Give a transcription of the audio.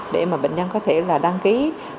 để mà bệnh nhân có thể là đăng ký